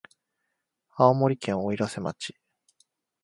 青森県おいらせ町